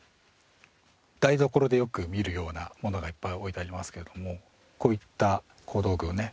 台所でよく見るようなものがいっぱい置いてありますけれどもこういった小道具をね